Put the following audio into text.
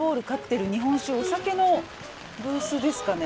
日本酒お酒のブースですかね。